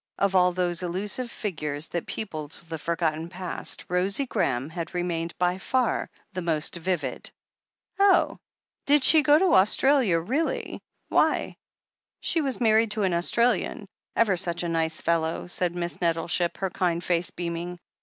Of all those elusive figures that peopled the forgotten past, Rosie Graham had remained by far the most vivid. "Oh! Didshegoto Australia, really? Why?" "She was married to an Australian. Ever such a nice fellow," said Miss Nettleship, her kind face beam ing.